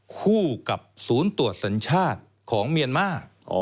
คู่กับศูนย์ตรวจสัญชาติของเมียนมาร์